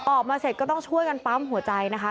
ออกมาเสร็จก็ต้องช่วยกันปั๊มหัวใจนะคะ